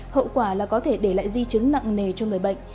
hậu quả là có thể để lại di chứng nặng nề cho người bệnh